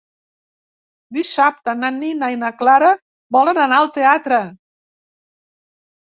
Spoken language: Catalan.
Dissabte na Nina i na Clara volen anar al teatre.